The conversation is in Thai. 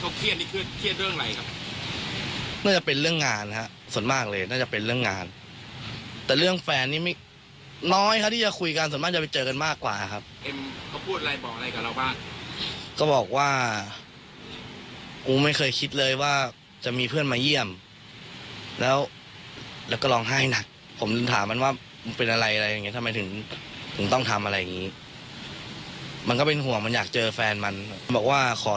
เขาเครียดนี่คือเครียดเรื่องอะไรครับน่าจะเป็นเรื่องงานฮะส่วนมากเลยน่าจะเป็นเรื่องงานแต่เรื่องแฟนนี่ไม่น้อยฮะที่จะคุยกันส่วนมากจะไปเจอกันมากกว่าครับเอ็มเขาพูดอะไรบอกอะไรกับเราบ้างก็บอกว่ากูไม่เคยคิดเลยว่าจะมีเพื่อนมาเยี่ยมแล้วแล้วก็ร้องไห้หนักผมถามมันว่ามึงเป็นอะไรอะไรอย่างเงี้ทำไมถึงถึงต้องทำอะไรอย่างงี้มันก็เป็นห่วงมันอยากเจอแฟนมันบอกว่าขอ